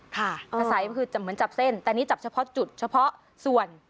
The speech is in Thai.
กระสายคือเหมือนจับเส้นแต่อันนี้จับเฉพาะจุดเฉพาะส่วน